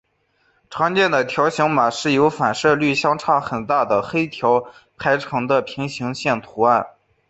常见的条形码是由反射率相差很大的黑条排成的平行线图案。